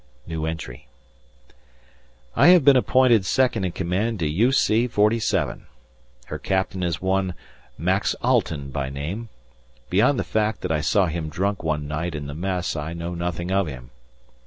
I have been appointed second in command to U.C.47. Her captain is one Max Alten by name. Beyond the fact that I saw him drunk one night in the Mess I know nothing of him.